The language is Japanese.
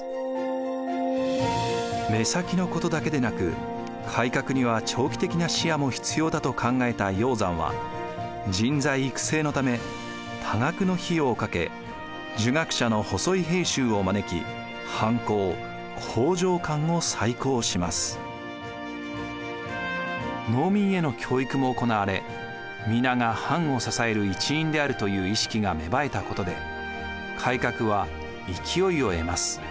目先のことだけでなく改革には長期的な視野も必要だと考えた鷹山は人材育成のため多額の費用をかけ儒学者の細井平州を招き農民への教育も行われ皆が藩を支える一員であるという意識が芽生えたことで改革は勢いを得ます。